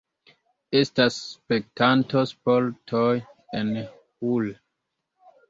Estas spektanto-sportoj en Hull.